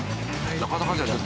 なかなかじゃない？